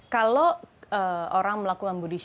kalau orang melakukan body sha